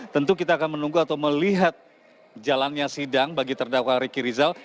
tentu kita akan menunggu atau melihat jalannya sidang bagi terdakwa riki rizal